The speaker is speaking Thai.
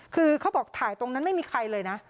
คือเขาบอกถ่ายตรงนั้นไม่มีใครเลยนะ